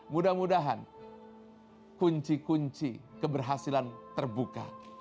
mudah mudahan kunci kunci keberhasilan terbuka